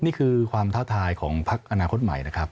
นี่คือความท้าทายของพักอนาคตใหม่นะครับ